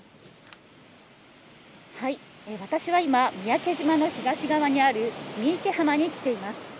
私は今、三宅島の東にある三池浜に来ています。